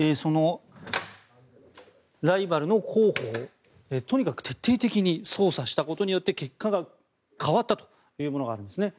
ライバルの候補をとにかく徹底的に捜査したことによって結果が変わったというものがあるんですね。